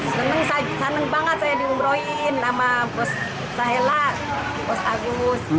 seneng seneng banget saya diumrohin sama pak soela pak agus